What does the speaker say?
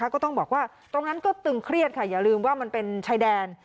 ก็ต้องบอกว่าตรงนั้นก็ตึงเครียดค่ะอย่าลืมว่ามันเป็นชายแดน